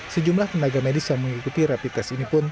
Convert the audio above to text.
sejumlah tenaga medis yang mengikuti rapid test ini pun